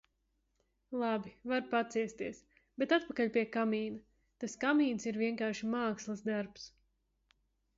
Labi, var paciesties. Bet atpakaļ pie kamīna. Tas kamīns ir vienkārši mākslas darbs.